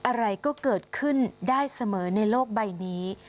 อะไรก็เกิดขึ้นได้เสมอในโลกใบนี้